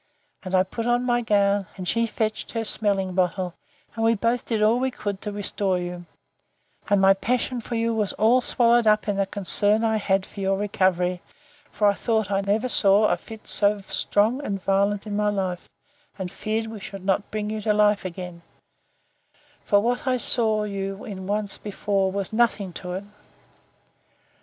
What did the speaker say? And I put on my gown, and she fetched her smelling bottle, and we both did all we could to restore you; and my passion for you was all swallowed up in the concern I had for your recovery; for I thought I never saw a fit so strong and violent in my life: and feared we should not bring you to life again; for what I saw you in once before was nothing to it.